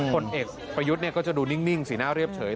พลเอกรยุริสก็ดูนิ่งสีหน้าเรียบเฉย